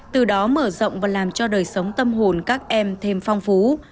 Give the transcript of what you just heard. từ đó mở rộng và làm cho đời sống tâm hồn các em thêm phong phú